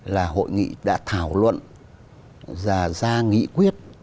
là hội nghị đã thảo luận và ra nghị quyết